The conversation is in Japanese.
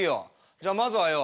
じゃあまずはよ